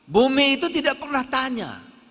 bumi itu tidak pernah tanya